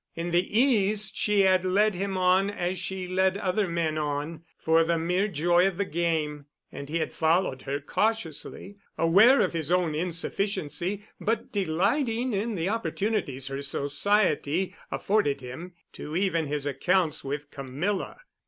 In the East she had led him or as she led other men on, for the mere joy of the game, and he had followed her cautiously, aware of his own insufficiency but delighting in the opportunities her society afforded him to even his accounts with Camilla.